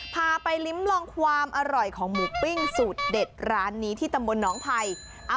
พาไปริมป์ลองความอร่อยของหมูปิ้งสุดเด็ดร้านนี้ที่ตมนนไพร